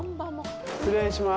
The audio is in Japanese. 失礼します。